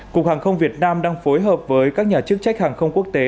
cục hàng không việt nam đang phối hợp với các nhà chức trách hàng không quốc tế